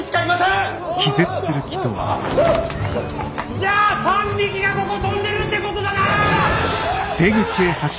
じゃあ３匹がここ飛んでるってことだな！？